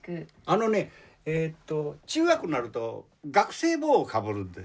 あのねえっと中学になると学生帽をかぶるんですよ。